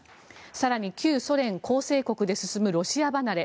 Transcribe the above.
更に旧ソ連構成国で進むロシア離れ。